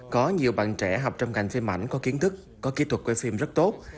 có nhiều bạn trẻ học trong ngành phim ảnh có kiến thức có kỹ thuật quay phim rất tốt